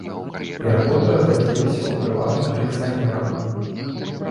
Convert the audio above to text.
І работы разляцеліся па прыватных калекцыянерах.